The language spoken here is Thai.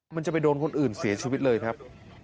มันจะไปโดนคนอื่นเสียชีวิตเลยครับ